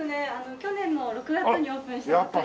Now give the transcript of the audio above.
去年の６月にオープンしたばっかり。